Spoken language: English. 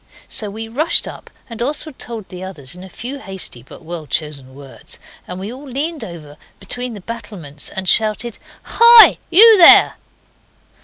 So we rushed up, and Oswald told the others in a few hasty but well chosen words, and we all leaned over between the battlements, and shouted, 'Hi! you there!